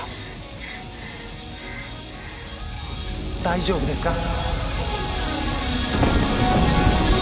大丈夫ですか？